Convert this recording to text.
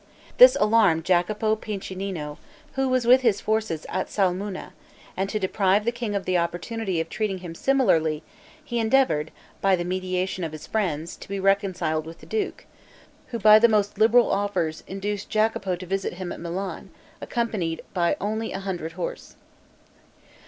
This alarmed Jacopo Piccinino, who was with his forces at Sulmona; and to deprive the king of the opportunity of treating him similarly, he endeavored, by the mediation of his friends, to be reconciled with the duke, who, by the most liberal offers, induced Jacopo to visit him at Milan, accompanied by only a hundred horse.